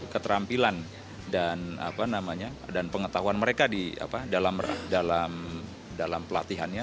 keterampilan dan pengetahuan mereka dalam pelatihannya